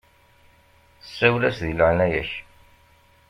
Sawel-as di leɛnaya-k.